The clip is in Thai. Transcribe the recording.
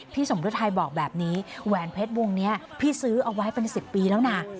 สมฤทัยบอกแบบนี้แหวนเพชรวงนี้พี่ซื้อเอาไว้เป็น๑๐ปีแล้วนะ